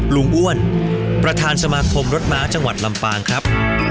อ้วนประธานสมาคมรถม้าจังหวัดลำปางครับ